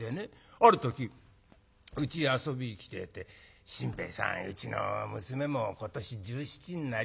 ある時うちへ遊びに来てて『新兵衛さんうちの娘も今年１７になります。